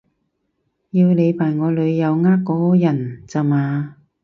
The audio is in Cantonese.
要你扮我女友呃個人咋嘛